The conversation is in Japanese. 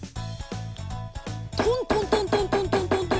トントントントントントントントン。